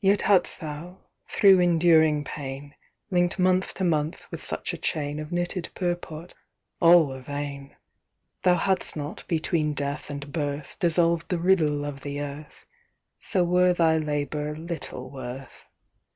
"Yet hadst thou, thro' enduring pain, Link'd month to month with such a chain Of knitted purport, all were vain. "Thou hadst not between death and birth Dissolved the riddle of the earth. So were thy labour little worth.